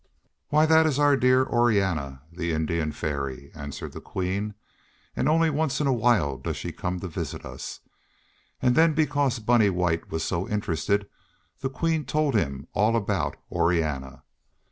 "Oh, that is our dear Orianna, the Indian Fairy," answered the Queen, "and only once in a while does she come to visit us"; and then because Bunny White was so interested the Queen told him all about Orianna.